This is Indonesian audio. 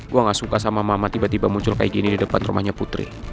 gue gak suka sama mama tiba tiba muncul kayak gini di depan rumahnya putri